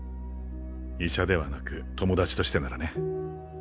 医者ではなく友達としてならね。